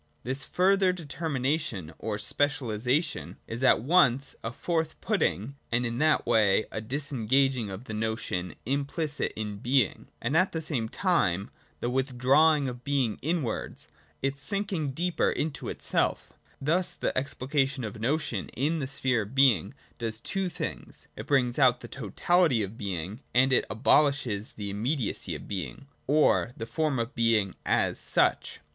This further determination, or specialisation, is at once a forth put ting and in that way a disengaging of the notion implicit in being; and at the same time the withdrawing of being inwards, its sinking deeper into itself Thus the explication of the notion in the sphere of being does two things : it brings out the totality of being, and it abolishes the immediacy of being, or the form of being as such.